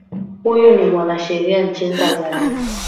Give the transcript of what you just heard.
huyu ni mwanasheria nchini tanzania